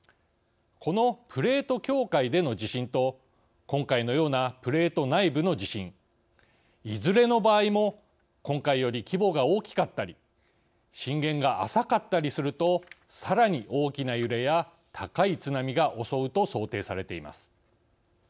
このプレート境界での地震と今回のようなプレート内部の地震いずれの場合も今回より規模が大きかったり震源が浅かったりするとさらに大きな揺れや高い津波が襲うと想定されています。